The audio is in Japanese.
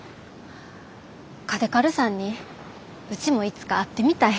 嘉手刈さんにうちもいつか会ってみたい。